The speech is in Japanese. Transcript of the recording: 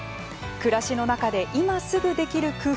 暮らしの中で今すぐできる工夫とは？